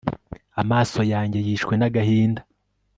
amaso yanjye yishwe n'agahinda